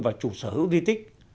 và chủ sở hữu di tích